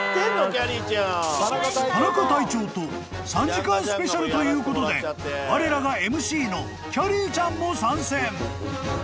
［田中隊長と３時間スペシャルということでわれらがＭＣのきゃりーちゃんも参戦］